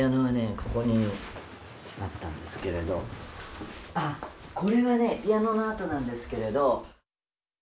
ここにあったんですけれどああこれはねピアノの跡なんですけれど。